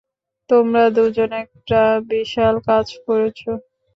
তোমরা দুজন একটা বিশাল কাজ করেছ।